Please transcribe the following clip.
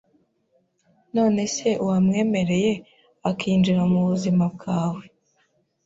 nonese wamwemereye akinjira mu buzima bwawe